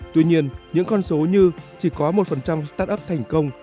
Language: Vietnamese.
tuy nhiên những con số như chỉ có một start up thành công